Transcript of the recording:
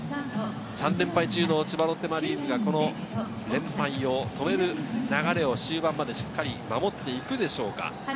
３連敗中の千葉ロッテマリーンズが連敗を止める流れを終盤までしっかり守っていくでしょうか。